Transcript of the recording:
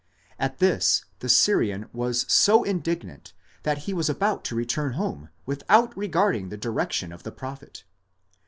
At this the Syrian was so indignant that he was about to return home without regarding the direction of the prophet.